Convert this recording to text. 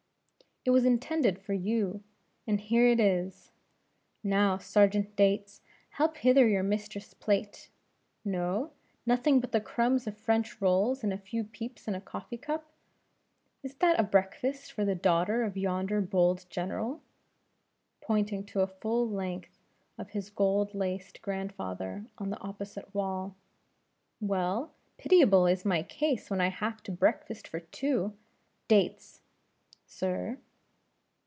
It was intended for you! and here it is. Now Sergeant Dates, help hither your mistress' plate. No? nothing but the crumbs of French rolls, and a few peeps into a coffee cup is that a breakfast for the daughter of yonder bold General?" pointing to a full length of his gold laced grandfather on the opposite wall. "Well, pitiable is my case when I have to breakfast for two. Dates!" "Sir."